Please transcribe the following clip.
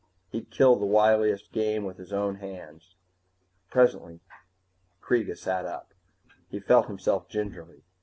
He'd killed the wiliest game with his own hands. Presently Kreega sat up. He felt himself gingerly.